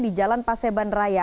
di jalan paseban raya